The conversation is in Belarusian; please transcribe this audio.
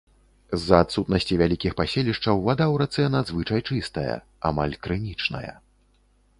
З-за адсутнасці вялікіх паселішчаў вада ў рацэ надзвычай чыстая, амаль крынічная.